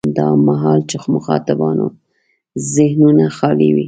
دا مهال چې مخاطبانو ذهنونه خالي وي.